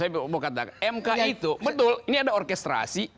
betul ini ada orkestrasi